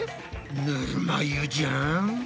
ぬるま湯じゃん。